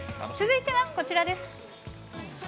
続いてはこちらです。